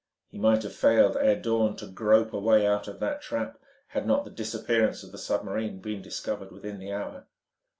He might have failed ere dawn to grope a way out of that trap had not the disappearance of the submarine been discovered within the hour.